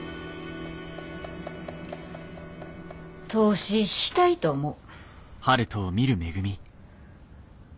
投資したいと思う。